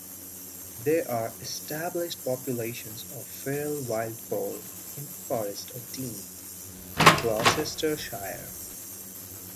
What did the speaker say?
There are established populations of feral wild boar in the Forest of Dean, Gloucestershire.